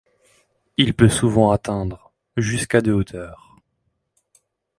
Il peut souvent atteindre jusqu'à de hauteur.